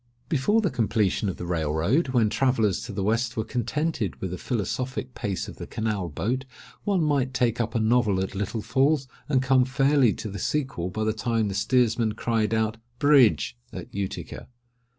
Before the completion of the Rail road, when travellers to the West were contented with the philosophic pace of the canal boat, one might take up a novel at Little Falls, and come fairly to the sequel by the time the steersman cried out "Bridge!" at Utica.